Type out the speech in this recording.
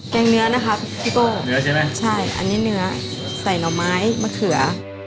แกงเนื้อนะคะใช่อันนี้เนื้อใส่หน่อไม้มะเขือ